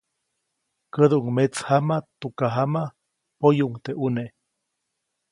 Käduʼuŋ metsjama, tukajama, poyuʼuŋ teʼ ʼune.